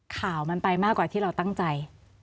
ข่าวมันไปมากกว่าที่เราตั้งใจ